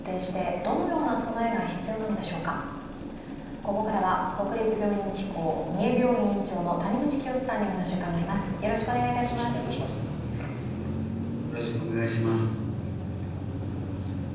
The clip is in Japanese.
ここからは国立病院機構三重病院院長の谷口清州さんにお話を伺います。